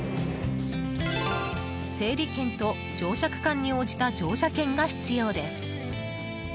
整理券と乗車区間に応じた乗車券が必要です。